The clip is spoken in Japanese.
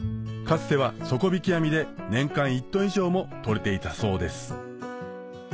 つては底引き網で年間１トン以上も取れていたそうです